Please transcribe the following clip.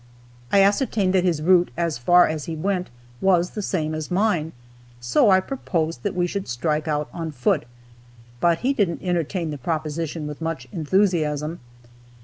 I ascertained that his route, as far as he went, was the same as mine, so I proposed that we should strike out on foot. But he didn't entertain the proposition with much enthusiasm.